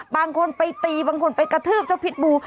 บางคนไปตีบางคนไปกระทืบเจ้าพิษบู